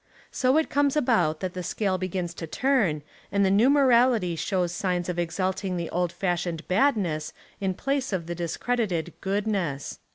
So it comes about that the scale begins to turn and the new morality shows signs of exalting the old fashioned Badness in place of the dis credited Goodness.